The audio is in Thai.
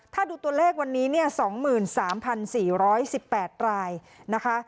ถ้าดูตัวเลขวันนี้เนี่ยสองหมื่นสามพันสี่ร้อยสิบแปดรายนะคะ